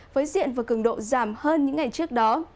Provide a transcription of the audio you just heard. với diện và cường độ giảm hơn những ngày trước đó